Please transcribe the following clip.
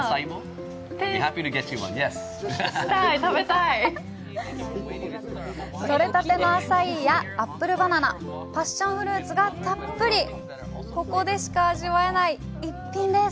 したい食べたいとれたてのアサイーやアップルバナナ・パッションフルーツがたっぷりここでしか味わえない一品です